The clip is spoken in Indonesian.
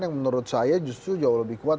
yang menurut saya justru jauh lebih kuat